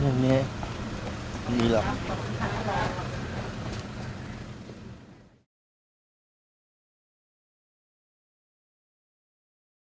โปรดติดตามตอนต่อไป